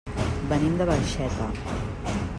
Venim de Barxeta.